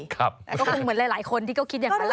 ก็คงเหมือนหลายคนที่ก็คิดอย่างนั้นล่ะค่ะ